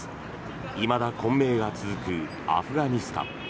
いまだ混迷が続くアフガニスタン。